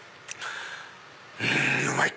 うんうまい！